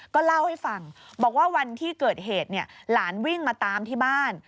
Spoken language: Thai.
ก็เล่าให้ฟังบอกว่าวันที่เกิดเหตุหลานวิ่งมาตามที่บ้าน